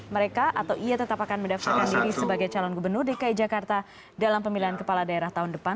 mereka atau ia tetap akan mendaftarkan diri sebagai calon gubernur dki jakarta dalam pemilihan kepala daerah tahun depan